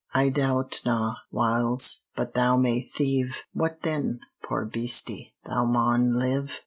I doubt na, whiles, but thou may thieve; What then? poor beastie, thou maun live!